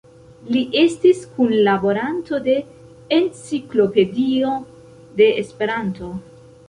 Li estis kunlaboranto de "Enciklopedio de Esperanto".